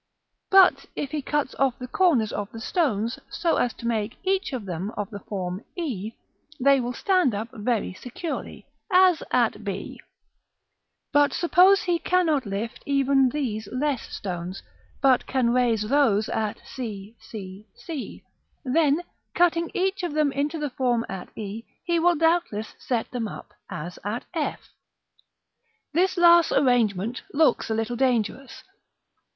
But if he cuts off the corners of the stones, so as to make each of them of the form e, they will stand up very securely, as at B. But suppose he cannot lift even these less stones, but can raise those at c, c, c. Then, cutting each of them into the form at e, he will doubtless set them up as at f. [Illustration: Fig. XXIX.] § II. This last arrangement looks a little dangerous.